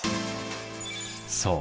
そう！